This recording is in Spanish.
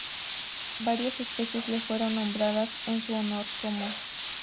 Varias especies le fueron nombradas en su honor, como